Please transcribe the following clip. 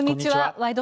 「ワイド！